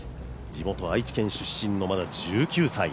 地元・愛知県出身の、まだ１９歳。